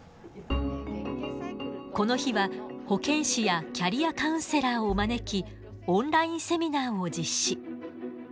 この日は保健師やキャリアカウンセラーを招きオンラインセミナーを実施。